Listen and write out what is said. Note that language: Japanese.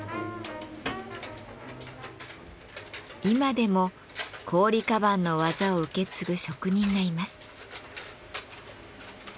今でも行李鞄の技を受け継ぐ職人がいます。